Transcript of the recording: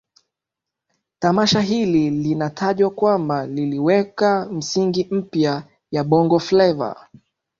Tamasha hili linatajwa kwamba liliweka misingi mipya ya Bongo Fleva